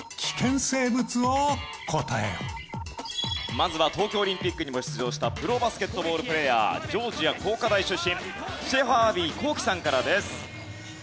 まずは東京オリンピックにも出場したプロバスケットボールプレーヤージョージア工科大出身シェーファーアヴィ幸樹さんからです。